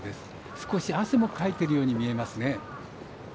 少し汗もかいているように見えますね。